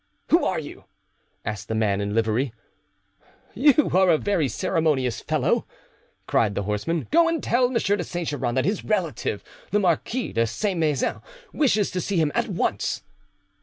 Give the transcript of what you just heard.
"Who are you?" asked the man in livery. "You are a very ceremonious fellow!" cried the horseman. "Go and tell M. de Saint Geran that his relative, the Marquis de Saint Maixent, wishes to see him at once."